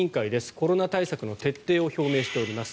コロナ対策の徹底を表明しております。